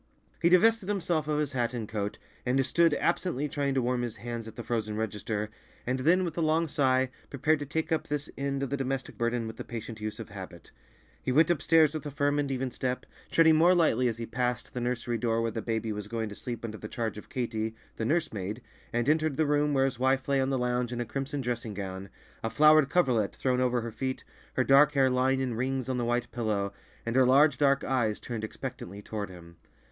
He divested himself of his hat and coat, and stood absently trying to warm his hands at the frozen register, and then with a long sigh, prepared to take up this end of the domestic burden with the patient use of habit. He went upstairs with a firm and even step, treading more lightly as he passed the nursery door where the baby was going to sleep under the charge of Katy, the nurse maid, and entered the room where his wife lay on the lounge in a crimson dressing gown, a flowered coverlet thrown over her feet, her dark hair lying in rings on the white pillow, and her large, dark eyes turned expectantly toward him.